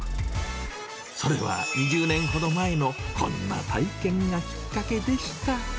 それは、２０年ほど前のこんな体験がきっかけでした。